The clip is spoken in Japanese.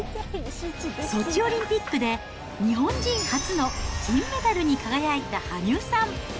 ソチオリンピックで、日本人初の金メダルに輝いた羽生さん。